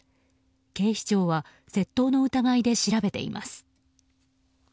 警視庁は窃盗の疑いで調べています。